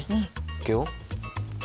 いくよ！